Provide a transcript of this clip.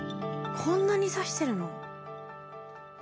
こんなに刺してるの？